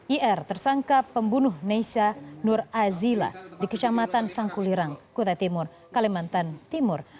ir tersangka pembunuh naysia nurazila di kecamatan sangkulirang kota timur kalimantan timur